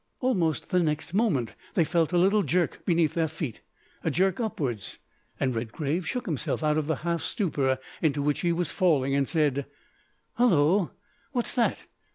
Almost the next moment they felt a little jerk beneath their feet a jerk upwards; and Redgrave shook himself out of the half stupor into which he was falling and said: "Hullo, what's that?